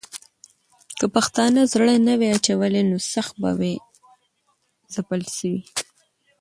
که پښتانه زړه نه وای اچولی، نو سخت به وای ځپل سوي.